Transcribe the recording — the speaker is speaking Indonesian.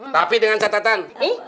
tapi dengan catatan